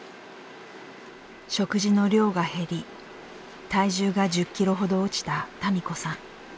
食事の量が減り体重が１０ｋｇ程落ちた多美子さん。